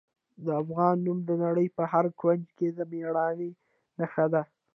د افغان نوم د نړۍ په هر کونج کې د میړانې نښه ده.